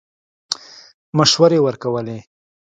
مشورې ورکولې.